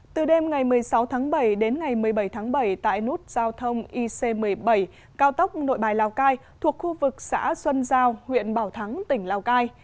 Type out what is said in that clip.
từ đêm ngày một mươi sáu tháng bảy đến ngày một mươi bảy tháng bảy tại nút giao thông ic một mươi bảy cao tốc nội bài lào cai thuộc khu vực xã xuân giao huyện bảo thắng tỉnh lào cai